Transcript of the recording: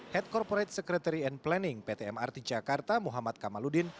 head corporate secretary and planning pt mrt jakarta muhammad kamaludin